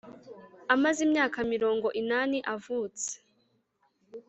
Amaze imyaka mirongo inani avutse.